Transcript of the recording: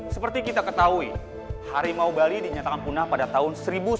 seperti kita ketahui harimau bali dinyatakan punah pada tahun seribu sembilan ratus sembilan puluh